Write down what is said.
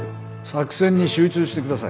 作戦に集中して下さい。